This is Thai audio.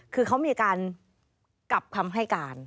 คือเขามีการกลับคำให้การ